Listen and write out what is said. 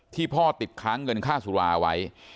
พ่อติดค้างเงินค่าสุราไว้